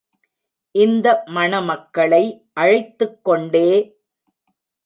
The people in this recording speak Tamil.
இந்த மணமக்களை அழைத்துக் கொண்டே.